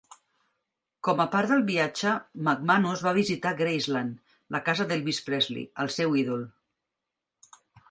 Com a part del viatge, McManus va visitar Graceland, la casa d'Elvis Presley, el seu ídol.